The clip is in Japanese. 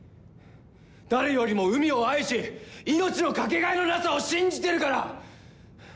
誰よりも海を愛し命のかけがえのなさを信じてるから！